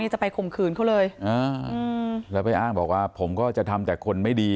จะไปข่มขืนเขาเลยแล้วไปอ้างบอกว่าผมก็จะทำแต่คนไม่ดี